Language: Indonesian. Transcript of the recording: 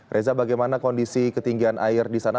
reza bagaimana kondisi ketinggian air di sana